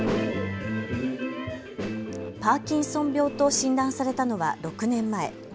パーキンソン病と診断されたのは６年前。